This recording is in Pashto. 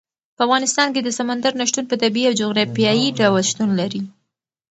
په افغانستان کې د سمندر نه شتون په طبیعي او جغرافیایي ډول شتون لري.